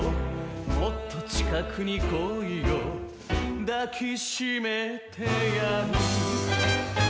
「もっと近くに来いよ抱きしめてやる」